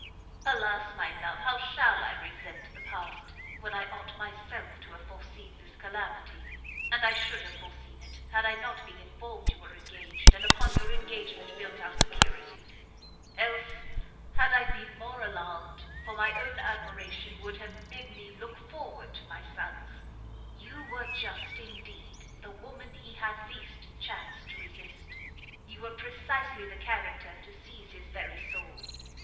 "Alas, my love, how shall I resent the past, when I ought myself to have foreseen this calamity! and I should have foreseen it, had I not been informed you were engaged, and upon your engagement built our security. Else had I been more alarmed, for my own admiration would have bid me look forward to my son's. You were just, indeed, the woman he had least chance to resist, you were precisely the character to seize his very soul.